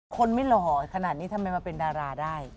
คนไม่หล่อขนาดนี้ทำไมมาเป็นดาราได้